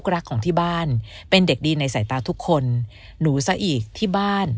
รักของที่บ้านเป็นเด็กดีในสายตาทุกคนหนูซะอีกที่บ้าน